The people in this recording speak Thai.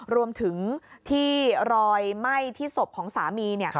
รวมถึงที่รอยไหม้ที่ศพของสามี